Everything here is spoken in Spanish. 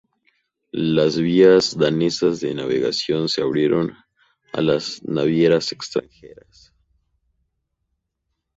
Las vías danesas de navegación se abrieron a las navieras extranjeras.